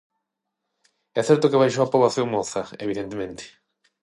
É certo que baixou a poboación moza, evidentemente.